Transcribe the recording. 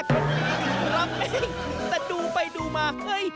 คือคุณครับเองแต่ดูไปดูมาเฮ่ย